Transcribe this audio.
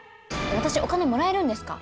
私お金もらえるんですか？